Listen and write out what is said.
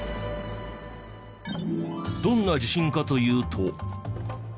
どんな地震かというと。